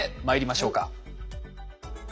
まいりましょうか。